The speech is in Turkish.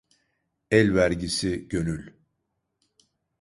Elvergisi, gönül.